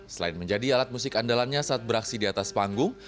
selain menjadi alat musik andalannya saat beraksi di atas panggung